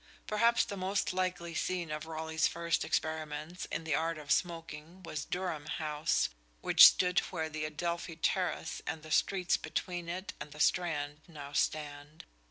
Perhaps the most likely scene of Raleigh's first experiments in the art of smoking was Durham House, which stood where the Adelphi Terrace and the streets between it and the Strand now stand.